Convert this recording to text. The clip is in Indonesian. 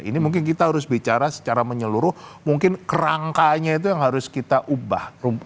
ini mungkin kita harus bicara secara menyeluruh mungkin kerangkanya itu yang harus kita ubah